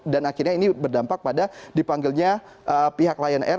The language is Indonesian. dan akhirnya ini berdampak pada dipanggilnya pihak lion air